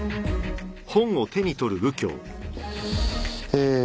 え。